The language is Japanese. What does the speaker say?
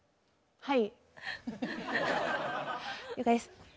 はい。